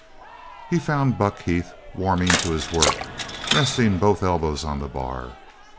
He found Buck Heath warming to his work, resting both elbows on the bar.